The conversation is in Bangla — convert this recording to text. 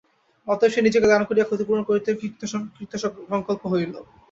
অতএব সে নিজেকে দান করিয়া ক্ষতিপূরণ করিতে কৃতসঙ্কল্প হইল।